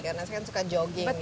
karena saya kan suka jogging gitu